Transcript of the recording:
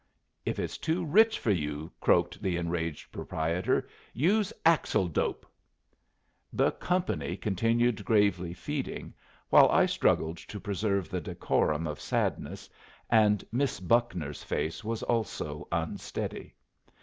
"If it's too rich for you," croaked the enraged proprietor, "use axle dope." The company continued gravely feeding, while I struggled to preserve the decorum of sadness, and Miss Buckner's face was also unsteady.